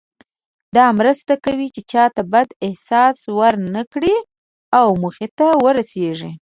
دا مرسته کوي چې چاته بد احساس ورنه کړئ او موخې ته ورسیږئ.